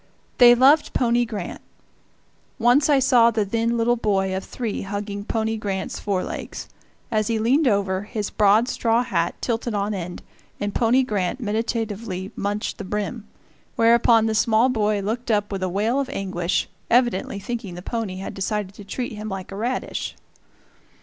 They loved pony Grant. Once I saw the then little boy of three hugging pony Grant's fore legs. As he leaned over, his broad straw hat tilted on end, and pony Grant meditatively munched the brim; whereupon the small boy looked up with a wail of anguish, evidently thinking the pony had decided to treat him like a radish.